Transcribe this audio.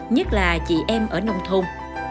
nhất là chị em ở nông thôn